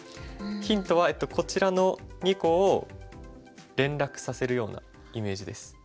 ヒントはこちらの２個を連絡させるようなイメージです。